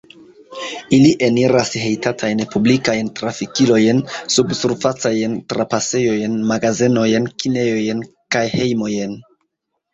Ili eniras hejtatajn publikajn trafikilojn, subsurfacajn trapasejojn, magazenojn, kinejojn kaj hejmojn.